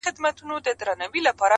• بُت خانه به مي د زړه لکه حرم کا..